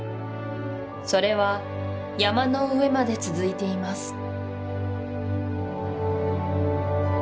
それは山の上まで続いています